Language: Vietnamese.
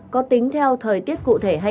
có tính theo thời tiết cụ thể